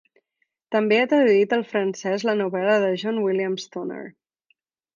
També ha traduït al francès la novel·la de John William "Stoner".